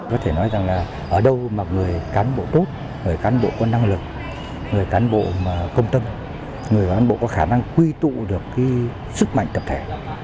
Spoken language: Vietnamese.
có thể nói rằng là ở đâu mà người cán bộ tốt người cán bộ có năng lực người cán bộ mà công tâm người cán bộ có khả năng quy tụ được cái sức mạnh tập thể